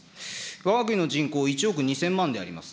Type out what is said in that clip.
わが国の人口１億２０００万であります。